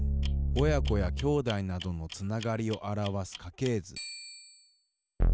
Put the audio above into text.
親子やきょうだいなどのつながりをあらわすかけい図。